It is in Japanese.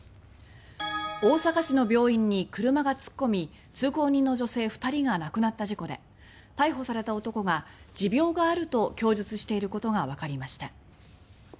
大阪市の病院に車が突っ込み通行人の女性２人が亡くなった事故で逮捕された男が、持病があると供述していることがわかりました。